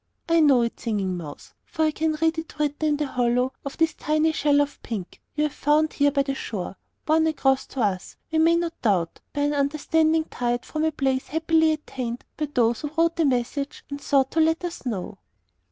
I know it, Singing Mouse, for I can read it written in the hollow of this tiny shell of pink you have found here by the shore borne across to us, we may not doubt, by an understanding tide from a place happily attained by those who wrote the message and sought to let us know.